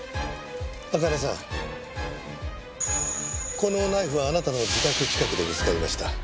このナイフあなたの自宅近くで見つかりました。